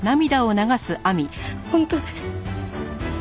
本当です。